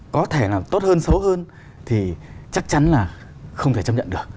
có thể là tốt hơn xấu hơn thì chắc chắn là không thể chấp nhận được